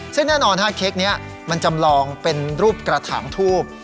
ซึ่งแน่นอนเค้กนี้มันจำลองเป็นรูปกระถางทูบ